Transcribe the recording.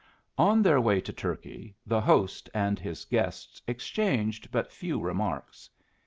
On their way to turkey, the host and his guests exchanged but few remarks.